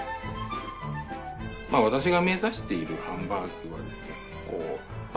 私が目指しているハンバーグはですね